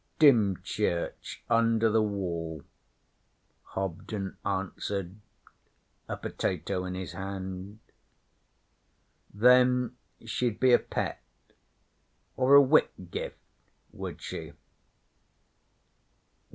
'Dymchurch under the Wall,' Hobden answered, a potato in his hand. 'Then she'd be a Pett or a Whitgift, would she?'